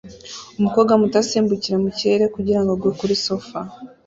Umukobwa muto asimbuka mu kirere kugira ngo agwe kuri sofa